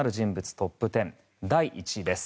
トップ１０第１位です。